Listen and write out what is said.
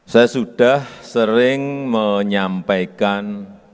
saya sudah sering menyampaikan